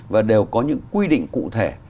và đều có những quy định cụ thể